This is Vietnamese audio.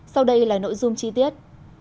sau đây là nội dung chi tiết